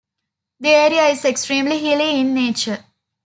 The area is extremely hilly in nature.